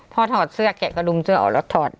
ถอดเสื้อแกก็ดุมเสื้อออกแล้วถอด